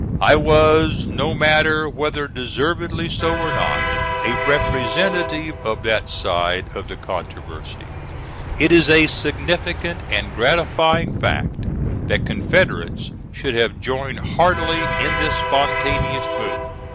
I was, no matter whether deservedly so or not, a representative of that side of the controversy. It is a significant and gratifying fact that Confederates should have joined heartily in this spontaneous move.